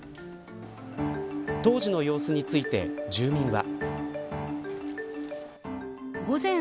当時の様子について住民は。